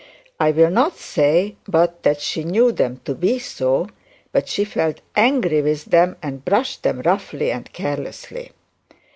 I will not say but that she knew them to be so, but she felt angry with them and brushed them roughly and carelessly.